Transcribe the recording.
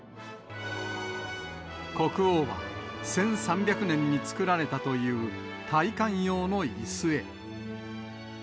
国王は、１３００年に作られたという戴冠用のイスへ。